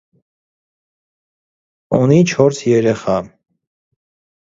Ունի չորս երեխա։